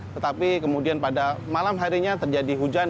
tetapi kemudian pada malam harinya terjadi hujan